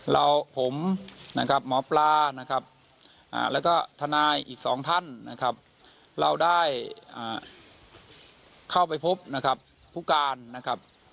เราผมนะครับหมอปลานะครับแล้วก็ทนายอีกสองท่านนะครับเราได้เข้าไปพบนะครับผู้การนะครับ